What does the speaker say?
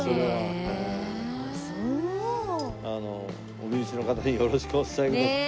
お身内の方によろしくお伝えください。